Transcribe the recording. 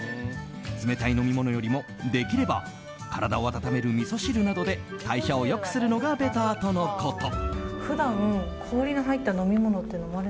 冷たい飲み物よりも、できれば体を温めるみそ汁などで代謝を良くするのがベターとのこと。